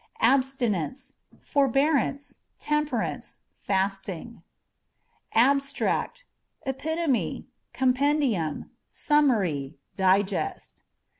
Abstinence â€" forbearance, temperance, fasting. Abstract â€" epitome, compendium, summary, digest.